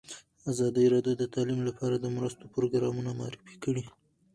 ازادي راډیو د تعلیم لپاره د مرستو پروګرامونه معرفي کړي.